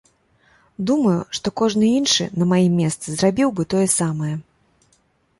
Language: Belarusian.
Думаю, што кожны іншы на маім месцы зрабіў бы тое самае.